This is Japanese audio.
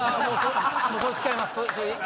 それ使います。